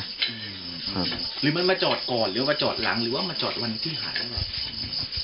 หรือมันมาจอดก่อนหรือมาจอดหลังหรือว่ามาจอดวันนี้ก็หายแล้ว